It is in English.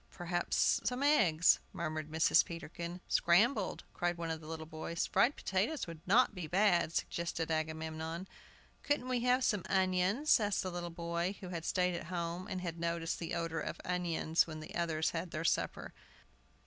"Perhaps some eggs," murmured Mrs. Peterkin. "Scrambled," cried one of the little boys. "Fried potatoes would not be bad," suggested Agamemnon. "Couldn't we have some onions?" asked the little boy who had stayed at home, and had noticed the odor of onions when the others had their supper.